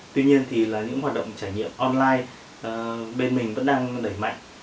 tuy nhiên thì là những hoạt động trải nghiệm online bên mình vẫn đang đẩy mạnh